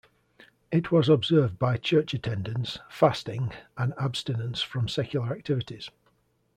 It was observed by church attendance, fasting, and abstinence from secular activities.